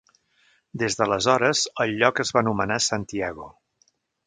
Des d'aleshores, el lloc es va anomenar Santiago.